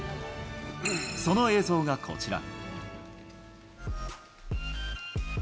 その映像がこちら。